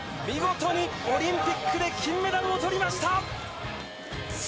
見事にオリンピックで金メダルを取りました！